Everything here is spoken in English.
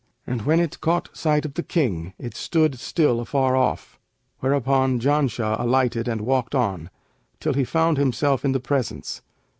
And when it caught sight of the King it stood still afar off, whereupon Janshah alighted and walked on, till he found himself in the presence.